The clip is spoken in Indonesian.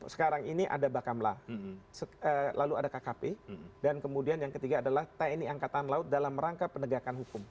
sekarang ini ada bakamla lalu ada kkp dan kemudian yang ketiga adalah tni angkatan laut dalam rangka penegakan hukum